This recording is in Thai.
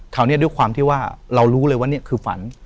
คราวนี้ด้วยความที่ว่าเรารู้เลยว่านี่คือฝัน